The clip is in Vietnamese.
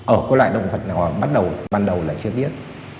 ở cái loại động vật nào bắt đầu ban đầu là chưa biết